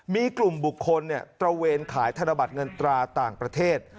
มีกลุ่มบุคคลตระเวนขายธนบัตรเงินตราต่างประเทศ